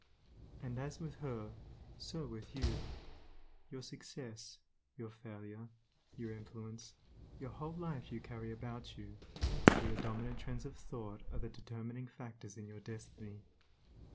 And as with her, so with you. Your success, your failure, your influence, your whole life you carry about with you, for your dominant trends of thought are the determining factors in your destiny.